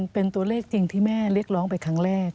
เป็นตัวเลขจริงที่แม่เรียกร้องไปครั้งแรก